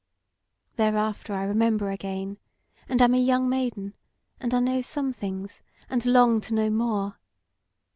Thereafter I remember again, and am a young maiden, and I know some things, and long to know more.